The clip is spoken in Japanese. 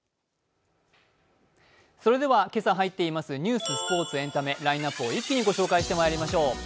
それでは今朝入っていますニュース、スポーツ、エンタメ、ラインナップを一気にご紹介してまいりましょう。